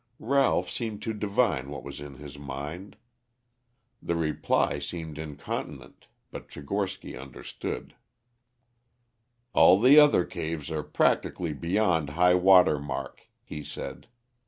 Ralph seemed to divine what was in his mind. The reply seemed incontinent, but Tchigorsky understood. "All the other caves are practically beyond high water mark," he said.